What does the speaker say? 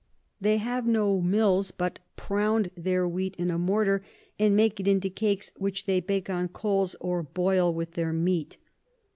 They have no Mills, but pround their Wheat in a Mortar, and make it into Cakes which they bake on Coals, or boil with their Meat.